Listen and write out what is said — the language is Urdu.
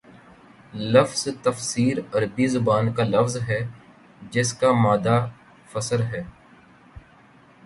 لفظ تفسیر عربی زبان کا لفظ ہے جس کا مادہ فسر ہے